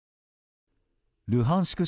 ルハンシク